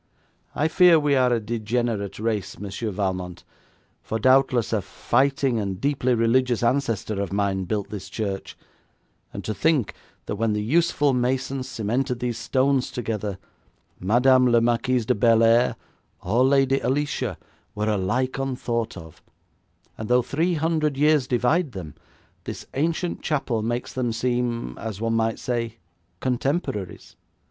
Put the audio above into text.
I fear we are a degenerate race, Monsieur Valmont, for doubtless a fighting and deeply religious ancestor of mine built this church, and to think that when the useful masons cemented those stones together, Madame la Marquise de Bellairs or Lady Alicia were alike unthought of, and though three hundred years divide them this ancient chapel makes them seem, as one might say, contemporaries.